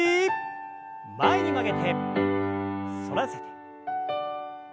前に曲げて反らせて。